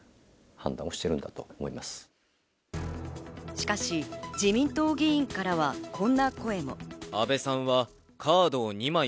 しかし自民党議員からは、こんな声も。